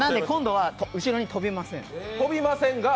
今度は後ろに飛びません。